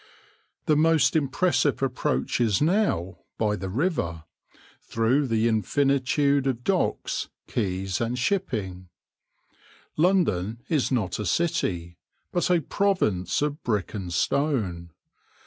The most impressive approach is now by the river through the infinitude of docks, quays, and shipping. London is not a city, but a province of brick and stone.